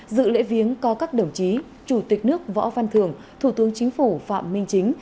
dự lễ viếng có các đồng chí chủ tịch nước võ văn thường thủ tướng chính phủ phạm minh chính